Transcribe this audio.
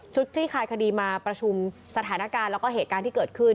คลี่คลายคดีมาประชุมสถานการณ์แล้วก็เหตุการณ์ที่เกิดขึ้น